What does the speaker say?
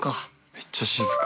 ◆めっちゃ静か。